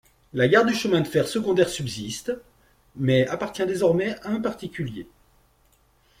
La gare du chemin de fer secondaire subsiste, mais appartient désormais à un particulier.